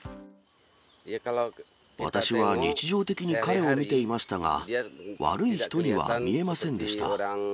私は日常的に彼を見ていましたが、悪い人には見えませんでした。